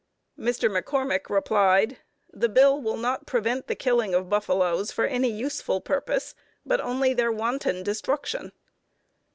Mr. McCormick replied: "This bill will not prevent the killing of buffaloes for any useful purpose, but only their wanton destruction."